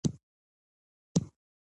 افغانستان په رسوب غني دی.